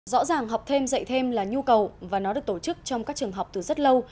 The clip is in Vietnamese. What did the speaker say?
rõ ràng học thêm dạy thêm là nhu cầu và nó được tổ chức trong các trường học từ rất lâu